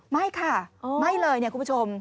ไม่ค่ะไม่เลยเนี่ยคุณผู้ชม